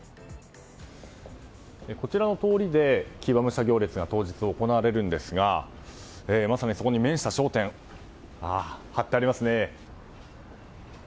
こちらの通りで騎馬武者行列が当日行われるんですがまさにそこに面した商店ああ、貼ってありますね。